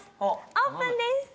オープンです！